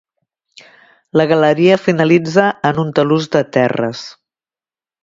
La galeria finalitza en un talús de terres.